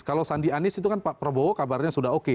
kalau sandi anies itu kan pak prabowo kabarnya sudah oke